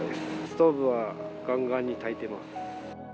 ストーブはがんがんにたいてます。